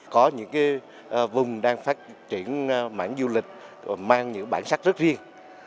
có những vùng đang phát triển mảng du lịch mang những bản sắc rất riêng